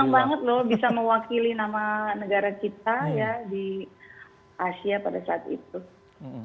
senang banget loh bisa mewakili nama negara kita ya di asia pada saat itu